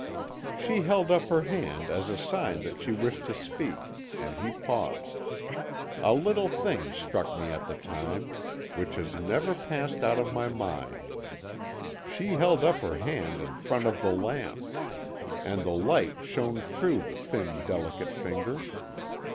"She held up her hand as a sign that she wished to speak, and he paused. A little thing struck me at the time, which has never passed out of my mind. She held up her hand in front of the lamp, and the light shone through the thin, delicate fingers.